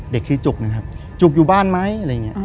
เด็กที่จุ๊กนะครับจุ๊กอยู่บ้านไหมอะไรอย่างนี้